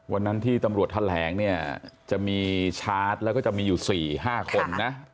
วันนั้นที่ตำรวจแถลงเนี่ยจะมีชาร์จแล้วก็จะมีอยู่๔๕คนนะ